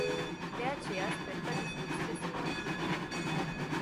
De aceea, sper ca discuțiile să continue.